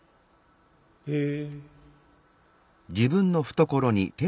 「へえ」。